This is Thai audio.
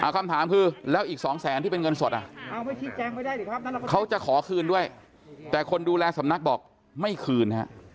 คำถามคือแล้วอีก๒แสนที่เป็นเงินสดเขาจะขอคืนด้วยแต่คนดูแลสำนักบอกไม่คืน